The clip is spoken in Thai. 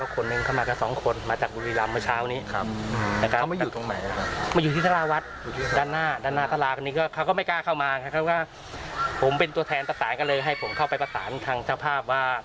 เขาจะมาขอเข้ามาศพอะไรพวกนี้น่ะ